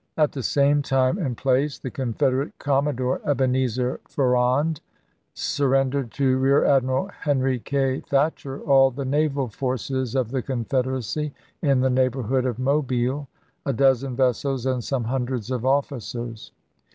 At the same time and place the Confed erate commodore Ebenezer Farrand surrendered to Rear Admiral Henry K. Thatcher all the naval forces of the Confederacy in the neighborhood of Mobile — a dozen vessels and some hundreds of officers.